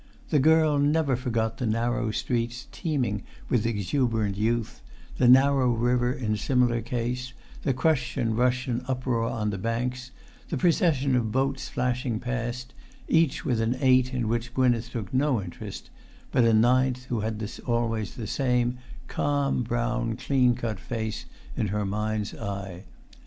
The girl never forgot the narrow streets teeming with exuberant youth, the narrow river in similar case, the crush and rush and uproar on the banks, the procession of boats flashing past, each with an eight in which Gwynneth took no interest, but a ninth who had always the same calm, brown, clean cut face in her mind's eye.